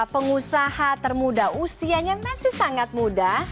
pengusaha termuda usianya masih sangat muda